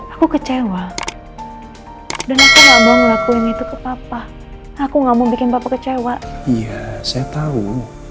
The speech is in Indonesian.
aku kecewa dan aku nggak mau ngelakuin itu ke papa aku nggak mau bikin papa kecewa iya saya tahu